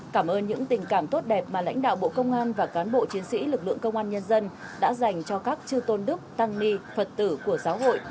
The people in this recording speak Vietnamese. cảm ơn những tình cảm tốt đẹp mà lãnh đạo bộ công an và cán bộ chiến sĩ lực lượng công an nhân dân đã dành cho các chư tôn đức tăng ni phật tử của giáo hội